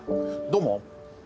どうも。